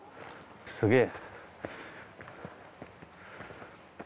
すげえ。